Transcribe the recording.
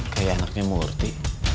kayak anaknya murti